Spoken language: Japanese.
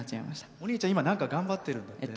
お兄ちゃん何か頑張ってるんだっけ？